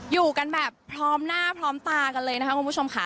อยู่กันแบบพร้อมหน้าพร้อมตากันเลยนะคะคุณผู้ชมค่ะ